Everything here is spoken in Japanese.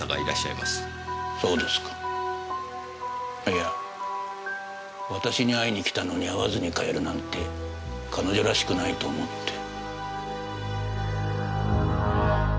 いや私に会いに来たのに会わずに帰るなんて彼女らしくないと思って。